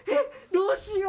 どうしよう。